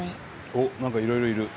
おっ何かいろいろいる。